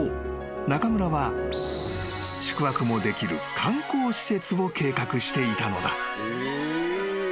中村は宿泊もできる観光施設を計画していたのだ］